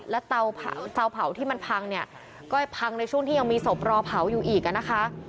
แล้วเตาเผาที่มันพังเนี่ยก็พังในช่วงที่ยังมีศพรอเผาอยู่อีกอ่ะนะคะ